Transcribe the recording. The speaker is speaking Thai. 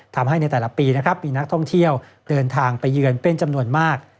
ทำให้ในแต่ละปีนะครับมีนักท่องเที่ยวเดินทางไปเยือนเป็นจำนวนมาก